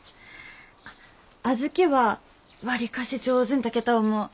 あっ小豆は割かし上手に炊けた思う。